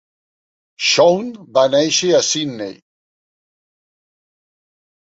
Chowne va néixer a Sydney.